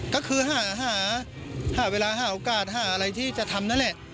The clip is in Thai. ก็คือหาเวลาหาโอกาสหาอะไรที่จะทำนั่นแหละ